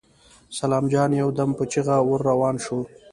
سلام جان يودم په چيغه ور روان شو.